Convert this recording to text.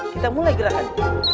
kita mulai gerakan